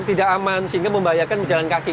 tidak aman sehingga membahayakan pejalan kaki